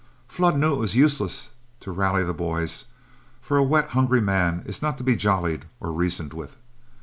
Flood knew it was useless to rally the boys, for a wet, hungry man is not to be jollied or reasoned with.